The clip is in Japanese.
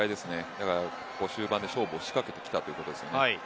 終盤で勝負を仕掛けてきたということです。